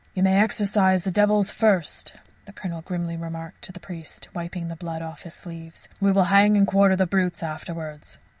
"You may exorcize the devils first," the Colonel grimly remarked to the priest, wiping the blood off his sleeves. "We will hang and quarter the brutes afterwards."